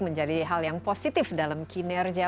menjadi hal yang positif dalam kinerja